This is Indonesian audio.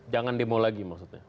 jangan demo lagi maksudnya